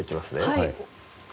はい。